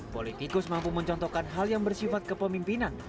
politikus mampu mencontohkan hal yang bersifat kepemimpinan